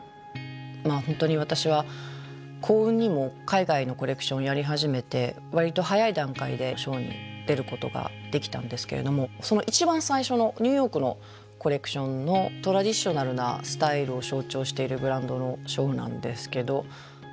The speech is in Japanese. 本当に私は幸運にも海外のコレクションやり始めて割と早い段階でショーに出ることができたんですけれどもその一番最初のニューヨークのコレクションのトラディショナルなスタイルを象徴しているブランドのショーなんですけど。